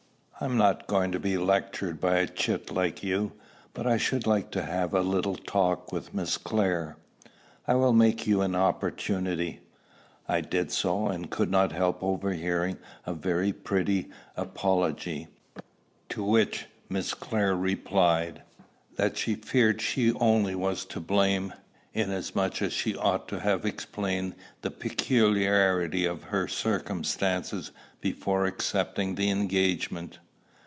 "I'm not going to be lectured by a chit like you. But I should like to have a little talk with Miss Clare." "I will make you an opportunity." I did so, and could not help overhearing a very pretty apology; to which Miss Clare replied, that she feared she only was to blame, inasmuch as she ought to have explained the peculiarity of her circumstances before accepting the engagement.